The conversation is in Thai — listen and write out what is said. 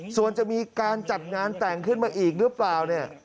ส่วนจะมีการจัดงานแต่งขึ้นมาอีกหรือเปล่าเนี่ย